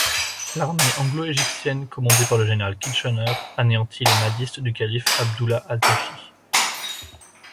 L'armée anglo-égyptienne commandée par le général Kitchener anéantit les mahdistes du calife Abdullah al-Taashi.